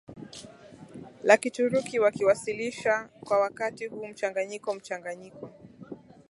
la Kituruki wakiwasilisha kwa wakati huu mchanganyiko mchanganyiko